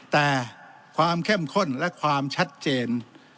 แต่ความเข้มข้นและความชัดเจน